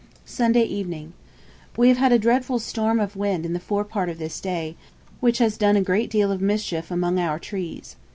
'Sunday Evening. We have had a dreadful storm of wind in the fore part of this day, which has done a great deal of mischief among our trees.